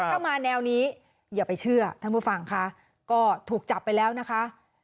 ถ้ามาแนวนี้อย่าไปเชื่อท่านผู้ฟังค่ะก็ถูกจับไปแล้วนะคะ